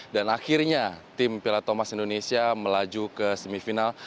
dan akhirnya tim piala thomas indonesia melaju ke semifinal